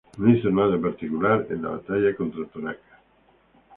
No hizo nada en particular en la batalla contra Torak.